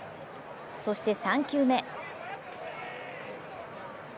そして３球目。